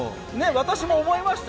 私も思いました。